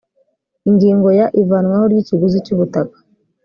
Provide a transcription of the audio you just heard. ingingo ya ivanwaho ry ikiguzi cy ubutaka